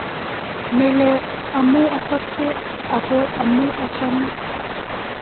melen omu osose, ako omu ochome